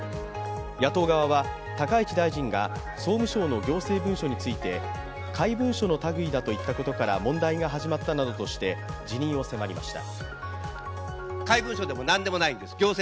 野党側は高市大臣が総務省の行政文書について怪文書の類だと言ったことから問題が始まったなどとして辞任を迫りました。